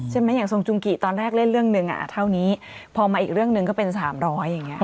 อย่างทรงจุงกิตอนแรกเล่นเรื่องหนึ่งเท่านี้พอมาอีกเรื่องหนึ่งก็เป็น๓๐๐อย่างนี้